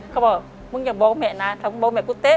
เขาบอกมึงอย่าบอกแม่นะถ้ามึงบอกแม่กูเต๊